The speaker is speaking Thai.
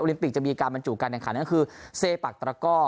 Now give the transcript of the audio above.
ลิมปิกจะมีการบรรจุการแข่งขันก็คือเซปักตระก้อ